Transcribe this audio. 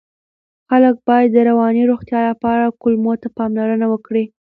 خلک باید د رواني روغتیا لپاره کولمو ته پاملرنه وکړي.